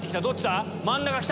どっちだ？